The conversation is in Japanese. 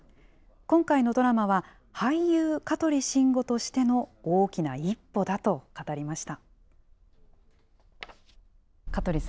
今回のドラマは、俳優、香取慎吾としての大きな一歩だと語りました。